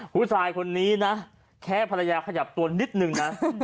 ผู้ชายคนนี้นะแค่ภรรยาขยับตัวนิดนึงนะ